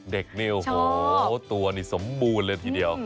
เด็กนี่โอ้โหตัวนี่สมบูรณ์เลยทีเดียว